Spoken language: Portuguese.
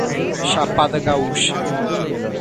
Chapada Gaúcha